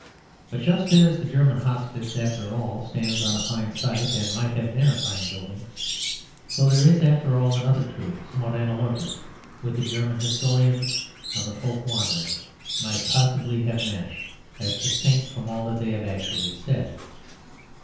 But just as the German Hospice after all stands on a fine site, and might have been a fine building, so there is after all another truth, somewhat analogous, which the German historians of the Folk Wanderings might possibly have meant, as distinct from all that they have actually said.